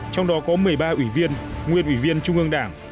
trong đó có một mươi ba ủy viên nguyên ủy viên trung ương đảng